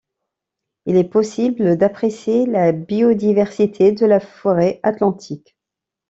Il est possible d'apprécier la biodiversité de la Forêt Atlantique.